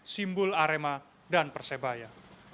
simbol arema dan persebaya